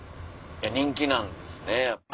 人気なんですね。